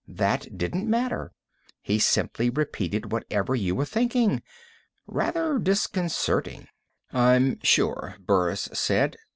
That didn't matter; he simply repeated whatever you were thinking. Rather disconcerting." "I'm sure," Burris said.